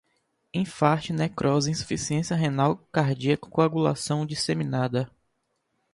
enfarte, necrose, insuficiência renal, cardíaca, coagulação, disseminada